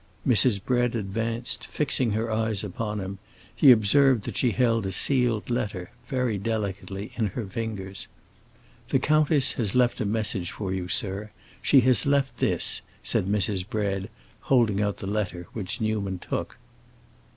Mrs. Bread advanced, fixing her eyes upon him: he observed that she held a sealed letter, very delicately, in her fingers. "The countess has left a message for you, sir; she has left this," said Mrs. Bread, holding out the letter, which Newman took.